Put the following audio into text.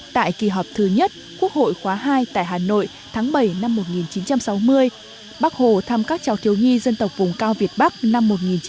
tại kỳ họp thứ nhất quốc hội khóa hai tại hà nội tháng bảy năm một nghìn chín trăm sáu mươi bác hồ thăm các cháu thiếu nhi dân tộc vùng cao việt bắc năm một nghìn chín trăm bảy mươi